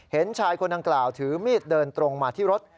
เห็นชายคนดังกล่าวถือมีดเดินตรงมาที่รถ